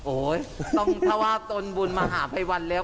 ต้องถ้าว่าตนบุญมหาภัยวันแล้ว